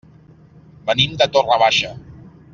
Venim de Torre Baixa.